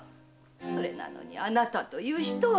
それなのにあなたという人は！